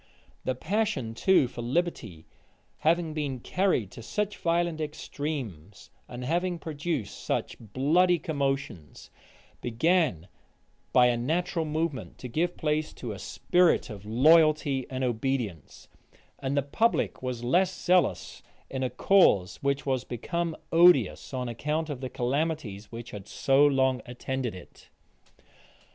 The passion too for liberty, having been carried to such violent extremes, and having produced such bloody commotions, began, by a natural movement, to give place to a spirit of loyalty and obedience; and the public was less zealous in a cause which was become odious, on account of the calamities which had so long attended it.